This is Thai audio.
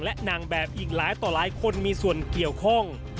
และนางแบบอีกหลายต่อหลายคนมีส่วนเกี่ยวข้อง